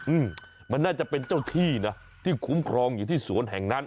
อืมมันน่าจะเป็นเจ้าที่นะที่คุ้มครองอยู่ที่สวนแห่งนั้น